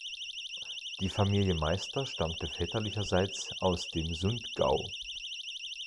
Die Familie Meister stammte väterlicherseits aus dem Sundgau.